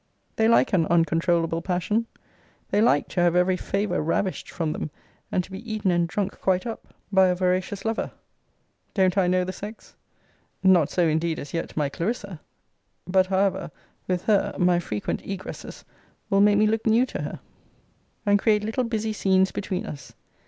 They like an uncontroulable passion. They like to have every favour ravished from them, and to be eaten and drunk quite up by a voracious lover. Don't I know the sex? Not so, indeed, as yet, my Clarissa: but, however, with her my frequent egresses will make me look new to her, and create little busy scenes between us.